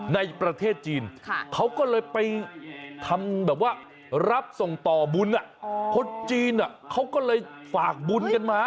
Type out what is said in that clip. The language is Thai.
ในประเทศจีนเขาก็เลยไปทำแบบว่ารับส่งต่อบุญคนจีนเขาก็เลยฝากบุญกันมา